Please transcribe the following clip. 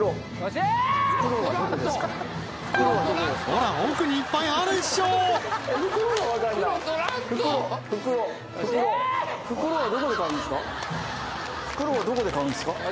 ほら奥にいっぱいあるっしょ袋はどこで買うんですか？